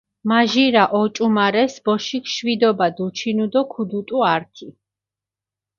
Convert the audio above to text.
მაჟირა ოჭუმარეს ბოშიქ შვიდობა დუჩინუ დო ქუდუტუ ართი